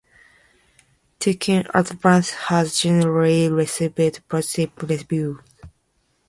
Tekken Advance has generally received positive reviews.